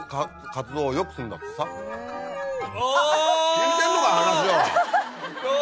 聞いてんのか話を！